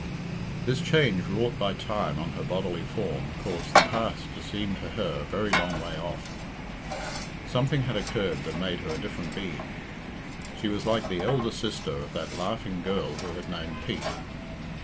This change wrought by time on her bodily form caused the past to seem to her a very long way off. Something had occurred that made her a different being. She was like the elder sister of that laughing girl who had known Pete.